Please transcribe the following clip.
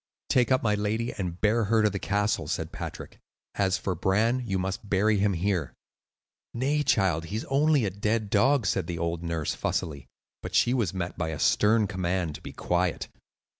"Take up my lady and bear her to the castle," said Patrick; "as for Bran, you must bury him here." "Nay, child, he is only a dead dog," said the old nurse, fussily. But she was met by a stern command to be quiet.